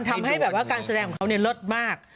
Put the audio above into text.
ทำให้แบบว่าการแสดงของเขาเนี่ยเลิศมาก